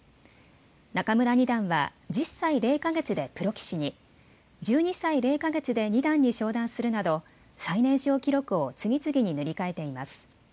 仲邑二段は１０歳０か月でプロ棋士に、１２歳０か月で二段に昇段するなど最年少記録を次々に塗り替えています。